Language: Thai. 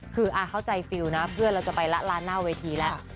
คือเข้าใจฟิลนะเพื่อนเราจะไปละร้านหน้าเวทีแล้ว